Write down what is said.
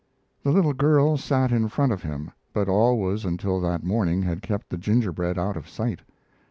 The little girl sat in front of him, but always until that morning had kept the gingerbread out of sight.